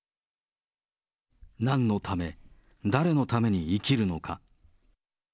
なんのため、誰のために生きるのか。